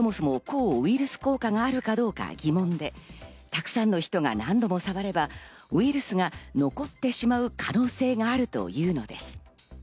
抗菌シートも、そもそも抗ウイルス効果があるかどうか疑問で、たくさんの人が何度も触ればウイルスが残ってしまう可能性があるというのです。